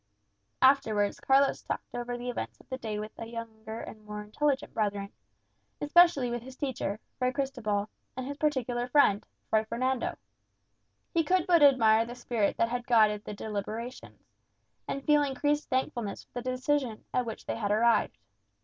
Afterwards, Carlos talked over the events of the day with the younger and more intelligent brethren; especially with his teacher, Fray Cristobal, and his particular friend, Fray Fernando. He could but admire the spirit that had guided their deliberations, and feel increased thankfulness for the decision at which they had arrived.